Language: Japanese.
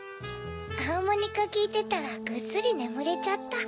ハーモニカきいてたらぐっすりねむれちゃった。